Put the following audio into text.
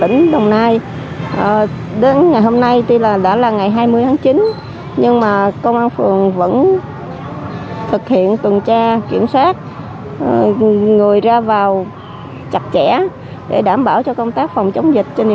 công tác phòng chống dịch trên địa bàn phường